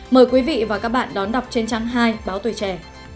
mời quý vị và các bạn đón đọc trên trang hai báo tuổi trẻ